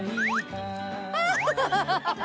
ハハハハ！